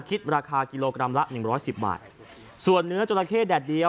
คิดราคากิโลกรัมละหนึ่งร้อยสิบบาทส่วนเนื้อจราเข้แดดเดียว